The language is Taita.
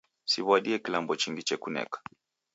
Siw'adie kilambo chingi chekuneka.